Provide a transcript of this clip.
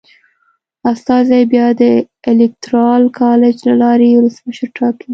استازي بیا د الېکترال کالج له لارې ولسمشر ټاکي.